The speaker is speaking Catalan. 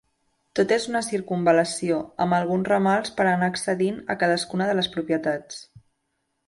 Tot és una circumval·lació, amb alguns ramals per anar accedint a cadascuna de les propietats.